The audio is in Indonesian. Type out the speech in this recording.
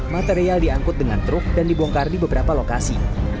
material diangkut dengan truk dan dibongkar di beberapa lokasi